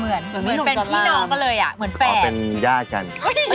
เหมือนเป็นพี่น้องตะละเลยเหมือนแฟน